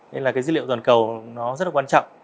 nên là cái dữ liệu toàn cầu nó rất là quan trọng